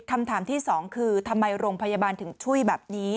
คำถามที่สองคือทำไมโรงพยาบาลถึงช่วยแบบนี้